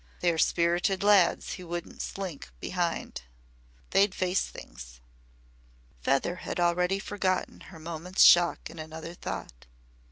They are spirited lads who wouldn't slink behind. They'd face things." Feather had already forgotten her moment's shock in another thought.